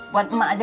buat emak aja